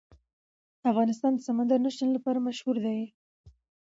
افغانستان د سمندر نه شتون لپاره مشهور دی.